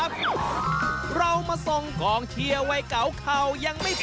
หรือเพลงมันไม่เข้าหูหรือยังไง